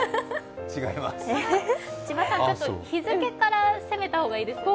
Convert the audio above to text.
千葉さん、日付から攻めた方がいいですよね。